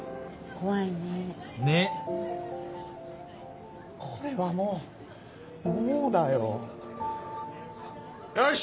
ねっこれはもうもうだよよし！